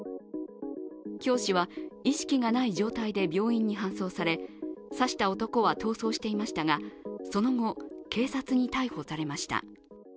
教師は意識がない状態で病院に搬送され、刺した男は、逃走していましたがその後、警察に逮捕されました。